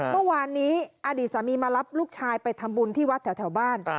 เมื่อวานนี้อดีตสามีมารับลูกชายไปทำบุญที่วัดแถวบ้าน